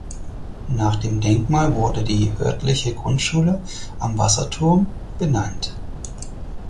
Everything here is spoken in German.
Nach dem Denkmal wurde die örtliche Grundschule „Am Wasserturm“ benannt.